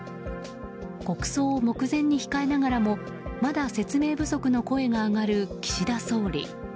国葬を目前に控えながらも、まだ説明不足の声が上がる岸田総理。